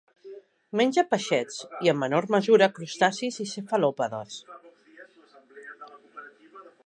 Menja peixets i, en menor mesura, crustacis i cefalòpodes.